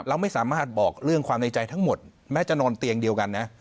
เราไม่สามารถบอกเรื่องความในใจทั้งหมดแม้จะนอนเตียงเดียวกันนะ